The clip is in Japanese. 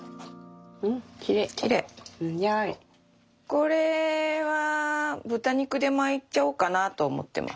これは豚肉で巻いちゃおうかなと思ってます。